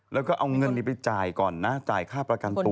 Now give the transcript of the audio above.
แล้วก็เอาเงินนี้ไปจ่ายก่อนนะจ่ายค่าประกันตัว